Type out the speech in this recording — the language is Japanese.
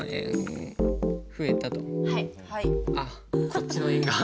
あっこっちの「円」が。